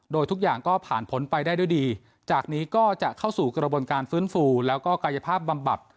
โดยทุกอย่างก็ผ่านพ้นไปได้ด้วยดีจากนี้ก็จะเข้าสู่กระบวนการฟื้นฟูแล้วก็กายภาพบำบัด